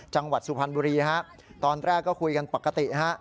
จังหวัดสุพรรณบุรีฮะตอนแรกก็คุยกันปกติฮะ